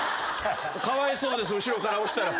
かわいそうです後ろから押したら。